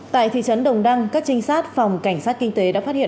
tại thị trấn đồng đăng các trinh sát phòng cảnh sát kinh tế đã phát hiện